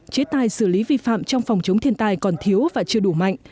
chế tài xử lý vi phạm trong phòng chống thiên tai còn thiếu và chưa đủ mạnh